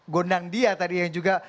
gondang dia tadi yang juga